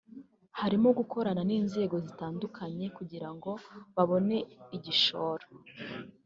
harimo gukorana n’inzego zitandukanye kugira ngo babone igishoro